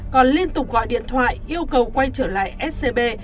còn liên tục gọi điện thoại yêu cầu quay trở lại scb